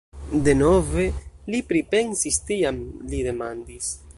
Denove li pripensis, tiam li demandis: